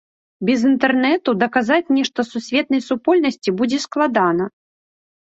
Без інтэрнэту даказаць нешта сусветнай супольнасці будзе складана.